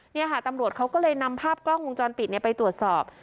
นี่ค่ะตำรวจเขาก็เลยนำภาพกล้องวงจรปิดไปตรวจสอบ